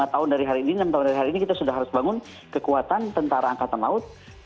lima tahun dari hari ini enam tahun dari hari ini kita sudah harus bangun kekuatan tentara angkatan laut